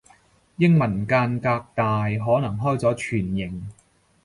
英文間隔大可能開咗全形